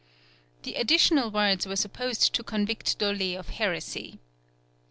The additional words were supposed to convict Dolet of heresy.